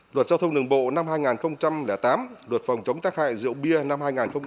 luật giao thông đường bộ năm hai nghìn tám luật phòng chống tác hại rượu bia năm hai nghìn một mươi ba